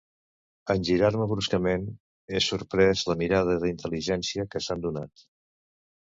En girar-me bruscament he sorprès la mirada d'intel·ligència que s'han donat.